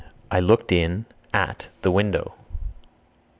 I looked in (at) the window.